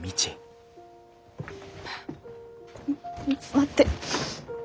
待って。